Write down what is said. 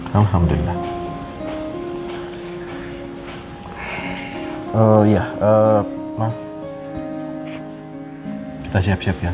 kita siap siap ya